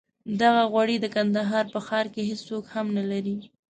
دغه غوړي د کندهار په ښار کې هېڅوک هم نه لري.